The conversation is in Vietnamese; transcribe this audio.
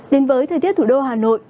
đến với thời tiết thủ đô hà nội